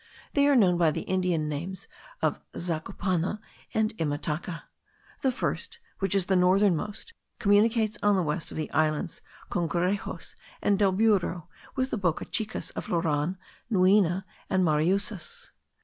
They are known by the Indian names of Zacupana and Imataca. The first, which is the northernmost, communicates on the west of the islands Congrejos and del Burro with the bocas chicas of Lauran, Nuina, and Mariusas.